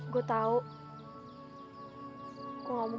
kita bisa pacar dengan baik